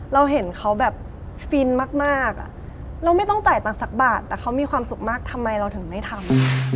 เราเห็นเขาแบบฟินมากเราไม่ต้องจ่ายตังค์สักบาทแต่เขามีความสุขมากทำไมเราถึงไม่ทำ